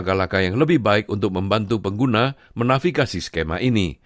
langkah langkah yang lebih baik untuk membantu pengguna menafikasi skema ini